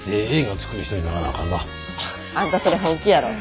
あんたそれ本気やろ。